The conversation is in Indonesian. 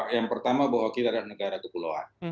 yang pertama bahwa kita adalah negara kepulauan